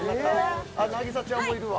凪咲ちゃんもいるわ。